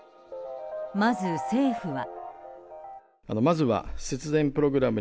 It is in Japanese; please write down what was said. まず、政府は。